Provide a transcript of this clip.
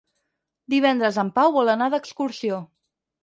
Divendres en Pau vol anar d'excursió.